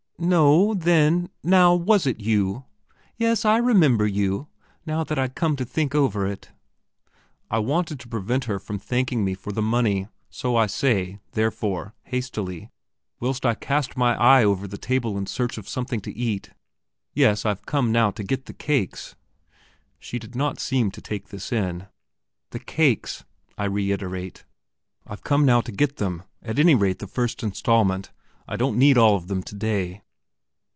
"No, then, now; was it you? Yes, I remember you, now that I come to think over it...." I wanted to prevent her from thanking me for the money, so I say, therefore, hastily, whilst I cast my eye over the table in search of something to eat: "Yes; I've come now to get the cakes." She did not seem to take this in. "The cakes," I reiterate; "I've come now to get them at any rate, the first instalment; I don't need all of them today."